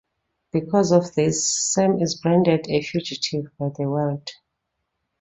Because of this, Sam is branded a fugitive by the world.